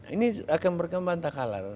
ini akan berkembang tak kalah